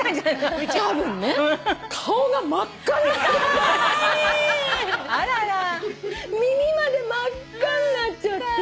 耳まで真っ赤になっちゃって。